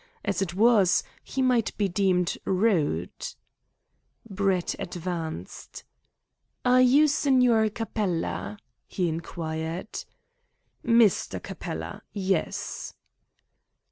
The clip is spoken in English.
As it was, he might be deemed rude. Brett advanced. "Are you Signor Capella?" he inquired. "Mr. Capella. Yes."